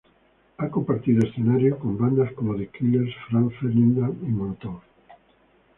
Ha compartido escenario con bandas como The Killers, Franz Ferdinand y Molotov.